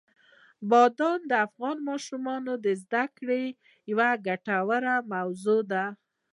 بادام د افغان ماشومانو د زده کړې یوه ګټوره موضوع ده.